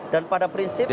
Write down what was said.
dan pada prinsipnya